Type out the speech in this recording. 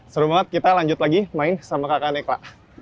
seru banget kita lanjut lagi main sama kakak nekla